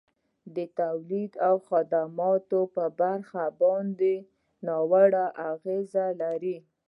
د تولید او خدماتو برخه باندي ناوړه اغیزه لري.